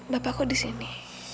bapak kok disini